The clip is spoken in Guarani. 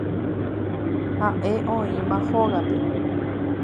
Ha'e oĩma hógape